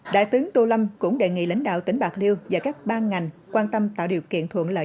đại tướng tô lâm cũng đề nghị lãnh đạo tỉnh bạc liêu và các ban ngành quan tâm tạo điều kiện thuận lợi